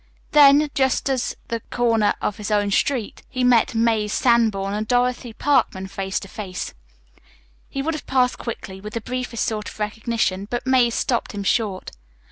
Then, just at the corner of his own street, he met Mazie Sanborn and Dorothy Parkman face to face. He would have passed quickly, with the briefest sort of recognition, but Mazie stopped him short.